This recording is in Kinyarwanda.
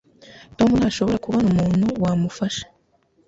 Tom ntashobora kubona umuntu wamufasha